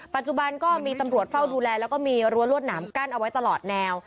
ก็มีตำรวจเฝ้าดูแลแล้วก็มีรั้วรวดหนามกั้นเอาไว้ตลอดแนว